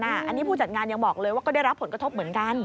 อันนี้ผู้จัดงานยังบอกเลยว่าก็ได้รับผลกระทบเหมือนกัน